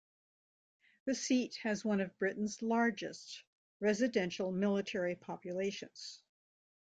The seat has one of Britain's largest residential military populations.